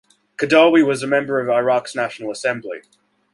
Khadawi was a member of Iraq's National Assembly.